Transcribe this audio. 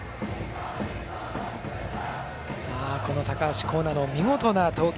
この高橋光成の見事な投球。